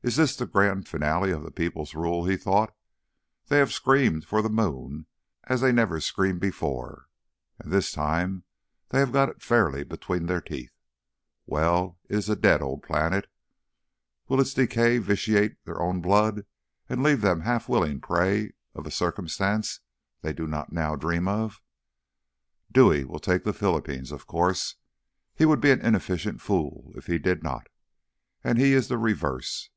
"Is this the grand finale of the people's rule?" he thought. "They have screamed for the moon as they never screamed before, and this time they have got it fairly between their teeth. Well, it is a dead old planet; will its decay vitiate their own blood and leave them the half willing prey of a Circumstance they do not dream of now? Dewey will take the Philippines, of course. He would be an inefficient fool if he did not, and he is the reverse.